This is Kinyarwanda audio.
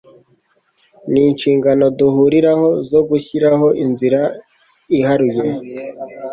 Ni inshingano duhuriraho zo gushyiraho inzira iharuye